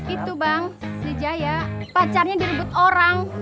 itu bang si jaya pacarnya direbut orang